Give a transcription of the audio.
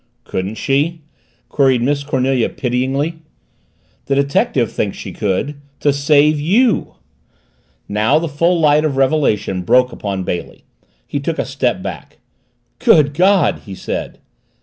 "Couldn't she?" queried Miss Cornelia pityingly. "The detective thinks she could to save you!" Now the full light of revelation broke upon Bailey. He took a step back. "Good God!" he said.